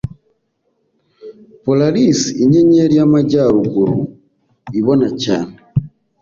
Polaris Inyenyeri y'Amajyaruguru ibona cyane